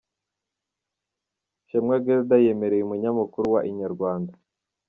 Shimwa Guelda yemereye umunyamakuru wa Inyarwanda.